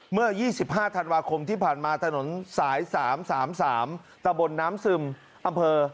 เมื่อ๒๕ธันวาคมที่ผ่านมาถนนสาย๓๓ตะบนน้ำซึมอำเภอ